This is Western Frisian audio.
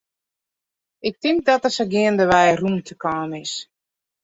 Ik tink dat der sa geandewei rûmte kaam is.